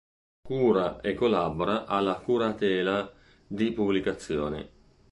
Cura e collabora alla curatela di pubblicazioni.